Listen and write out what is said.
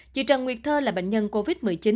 chị trần nguyệt thơ là bệnh nhân covid một mươi chín